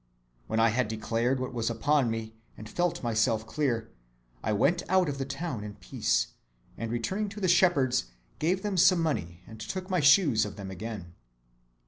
When I had declared what was upon me, and felt myself clear, I went out of the town in peace; and returning to the shepherds gave them some money, and took my shoes of them again.